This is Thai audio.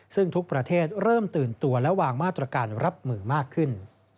ซึ่งทุกประเทศเริ่มตื่นตัวและวางมาตรการรับมือมากขึ้น